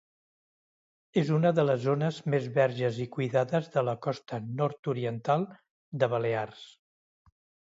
És una de les zones més verges i cuidades de la costa Nord-Oriental de Balears.